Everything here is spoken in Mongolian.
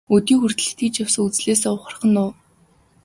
Өдий хүртэл итгэж явсан үзлээсээ ухрах уу?